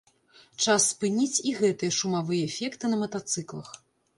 Час спыніць і гэтыя шумавыя эфекты на матацыклах.